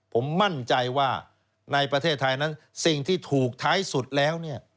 ผมมั่นใจว่าในประเทศไทยนั้นสิ่งที่ถูกท้ายสุดแล้วเนี่ย